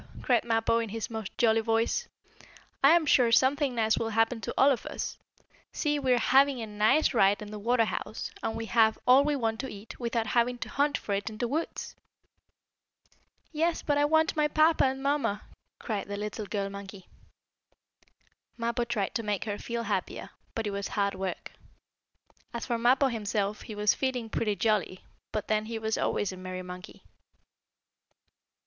cried Mappo, in his most jolly voice. "I am sure something nice will happen to all of us. See, we are having a nice ride in the water house, and we have all we want to eat, without having to hunt for it in the woods." "Yes, but I want my papa and mamma!" cried the little girl monkey. Mappo tried to make her feel happier, but it was hard work. As for Mappo, himself, he was feeling pretty jolly, but then he was always a merry monkey.